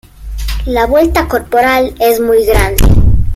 La vuelta corporal es muy grande.